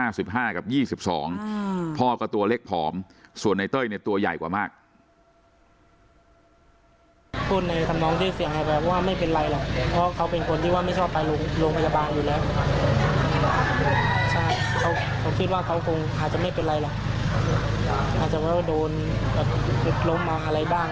พูดในคำนองที่เสียงแบบว่าไม่เป็นไรหรอกเพราะเขาเป็นคนที่ว่าไม่ชอบไปโรงพยาบาลอยู่แล้ว